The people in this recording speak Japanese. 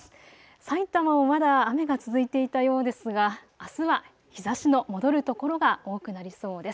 さいたまはまだ雨が続いていたようですがあすは日ざしの戻る所が多くなりそうです。